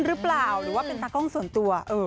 หรือเปล่าหรือว่าเป็นตากล้องส่วนตัว